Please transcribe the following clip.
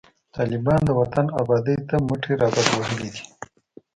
طالبان د وطن آبادۍ ته مټي رابډوهلي دي